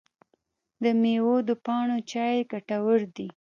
د میوو د پاڼو چای ګټور دی؟